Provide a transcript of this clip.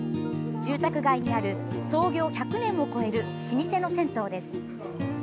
住宅街にある、創業１００年を超える老舗の銭湯です。